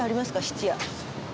質屋。